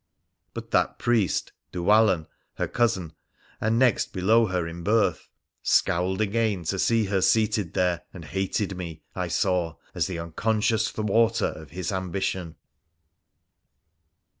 But that priest, Dhuwallon, her cousin, and next below her in birth, scowled again to see her seated there, and hated me, I saw, as the unconscious thwarter of his ambition.